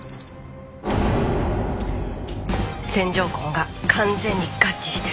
線条痕が完全に合致してる。